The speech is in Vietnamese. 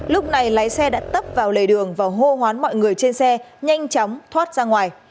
lúc này lái xe đã tấp vào lề đường và hô hoán mọi người trên xe nhanh chóng thoát ra ngoài